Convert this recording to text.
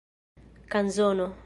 kanzono